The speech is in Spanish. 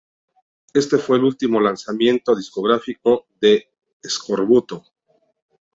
Este fue el último lanzamiento discográfico de Eskorbuto.